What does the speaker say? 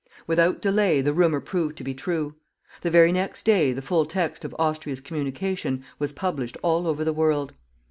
Without delay the rumour proved to be true. The very next day the full text of Austria's communication was published all over the world.